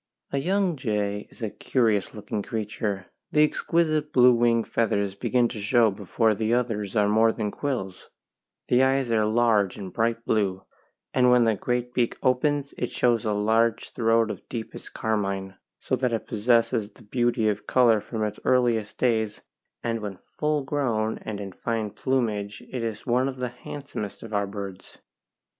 A young jay is a curious looking creature: the exquisite blue wing feathers begin to show before the others are more than quills; the eyes are large and bright blue, and when the great beak opens it shows a large throat of deepest carmine, so that it possesses the beauty of colour from its earliest days, and when full grown and in fine plumage it is one of the handsomest of our birds.